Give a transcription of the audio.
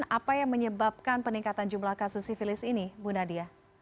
apa yang menyebabkan peningkatan jumlah kasus sivilis ini